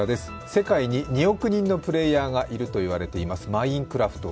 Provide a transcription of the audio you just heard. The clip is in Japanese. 世界に２億人のプレーヤーがいると言われています「マインクラフト」